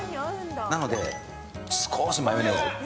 なので、少しマヨネーズ。